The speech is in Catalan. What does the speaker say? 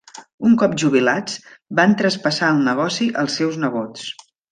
Un cop jubilats van traspassar el negoci als seus nebots.